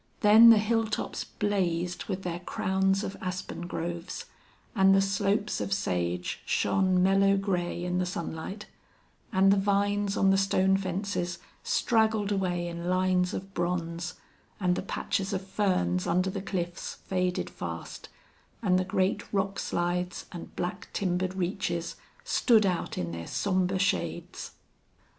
Then the hilltops blazed with their crowns of aspen groves; and the slopes of sage shone mellow gray in the sunlight; and the vines on the stone fences straggled away in lines of bronze; and the patches of ferns under the cliffs faded fast; and the great rock slides and black timbered reaches stood out in their somber shades.